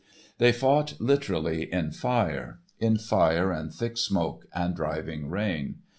They fought literally in fire—in fire and thick smoke and driving rain.